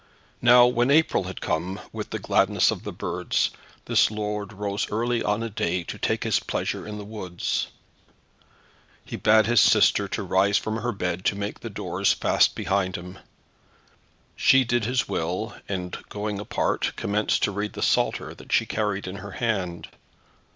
Now when April had come with the gladness of the birds, this lord rose early on a day to take his pleasure in the woods. He bade his sister to rise from her bed to make the doors fast behind him. She did his will, and going apart, commenced to read the psalter that she carried in her hand.